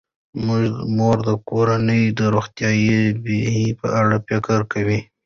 مور د کورنۍ د روغتیايي بیمې په اړه فکر کوي.